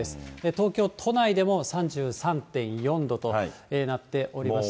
東京都内でも３３．４度となっておりまして。